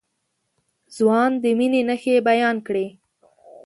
ځوان د مينې نښې بيان کړې.